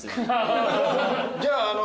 じゃああの。